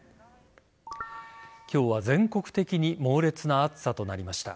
今日は全国的に猛烈な暑さとなりました。